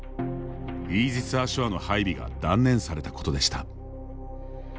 イージス・アショアの配備が断念されたことでした。